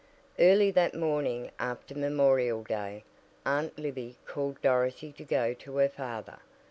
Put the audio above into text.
Early that morning after Memorial Day, Aunt Libby called Dorothy to go to her father.